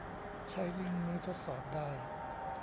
ใช้ลิงก์นี้ทดสอบได้